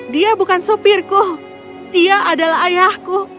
dia bukan supirku dia adalah ayahku